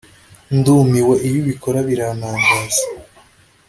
ndumiwe iyo ubikora birantangaza